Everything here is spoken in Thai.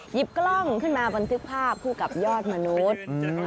กล้องขึ้นมาบันทึกภาพคู่กับยอดมนุษย์